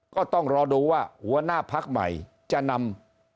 ก็ต้องรอดูว่าหัวหน้าพักใหม่จะนำ